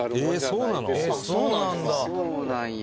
そうなんだ。